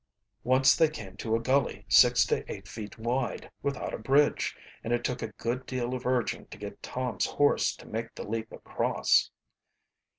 Once they came to a gully six to eight feet wide, without a bridge, and it took a good deal of urging to get Tom's horse to make the leap across.